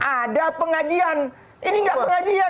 ada pengajian ini enggak pengajian